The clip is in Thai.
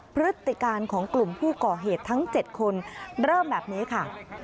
พฤติการของกลุ่มผู้ก่อเหตุทั้ง๗คนเริ่มแบบนี้ค่ะ